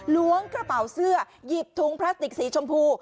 ล้วงกระเป๋าเสื้อหยิบถุงพลาสติกสีชมพู